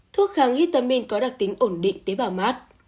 thuốc kháng hitamin có đặc tính ổn định tế bào mát